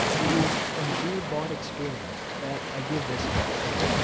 It is from dear bought experience that I give this advice.